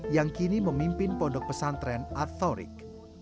yang kini memimpin pondok pesantren atorik